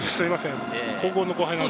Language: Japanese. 高校の後輩。